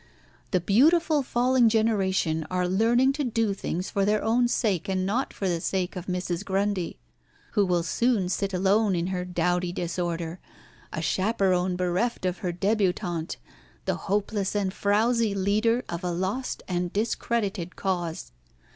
The beautiful falling generation are learning to do things for their own sake, and not for the sake of Mrs. Grundy, who will soon sit alone in her dowdy disorder, a chaperon bereft of her débutante, the hopeless and frowsy leader of a lost and discredited cause.